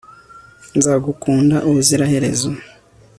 Nzagukunda ubuziraherezo